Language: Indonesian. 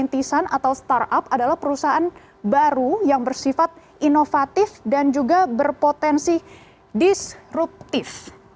perusahaan innocent atau startup adalah perusahaan baru yang bersifat innovatif dan juga berpotensi disruptif